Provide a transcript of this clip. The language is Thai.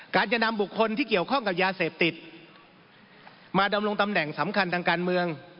จะนำบุคคลที่เกี่ยวข้องกับยาเสพติดมาดำรงตำแหน่งสำคัญทางการเมือง